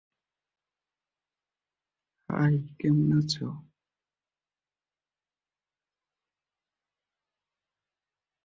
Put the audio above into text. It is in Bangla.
যেমন, নওয়াব বাহাদুর, রায় বাহাদুর, খান বাহাদুর প্রভৃতি খেতাব।